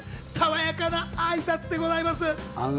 爽やかなあいさつでございます。